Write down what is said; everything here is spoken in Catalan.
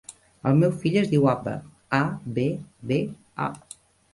El meu fill es diu Abba: a, be, be, a.